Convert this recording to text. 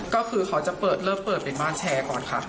ก็คือเขาจะเปิดเริ่มเปิดเป็นบ้านแชร์ก่อนค่ะ